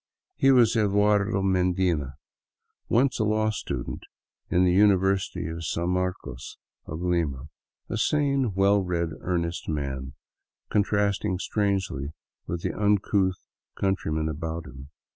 He was Eduardo Medina, once a law student in the Uni versity of San Marcos of Lima, a sane, well read, earnest man, con trasting strangely with the uncouth countrymen about him.